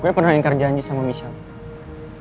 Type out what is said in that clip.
gue pernah ingkar janji sama michelle